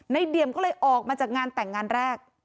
เดียมก็เลยออกมาจากงานแต่งงานแรก